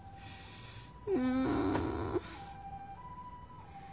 うん。